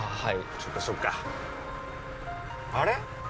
そっかそっかあれ？